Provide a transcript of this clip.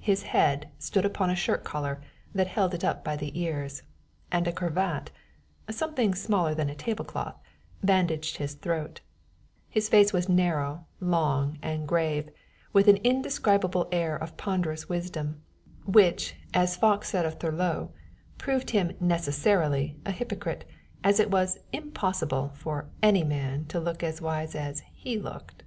His head stood upon a shirt collar that held it up by the ears, and a cravat, something smaller than a table cloth, bandaged his throat; his face was narrow, long, and grave, with an indescribable air of ponderous wisdom, which, as Fox said of Thurlow, "proved him necessarily a hypocrite; as it was impossible for any man to be as wise as he looked."